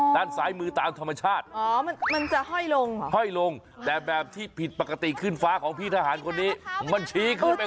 ด้านซ้ายมือตาธรรมชาติอ๋อมันจะห้อยลงเหรอห้อยลงแบบที่ผิดปกติขึ้นฟ้าของพี่ทหารคนนี้